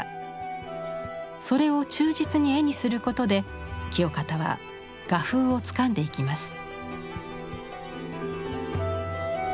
それを忠実に絵にすることで清方は画風をつかんでいきます。